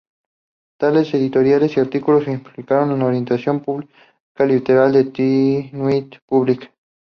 Tales editoriales y artículos ejemplifican la orientación política liberal de "The New Republic".